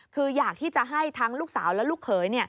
คืออยากที่จะให้ทั้งลูกสาวและลูกเขย